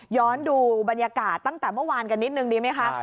ดูบรรยากาศตั้งแต่เมื่อวานกันนิดนึงดีไหมคะ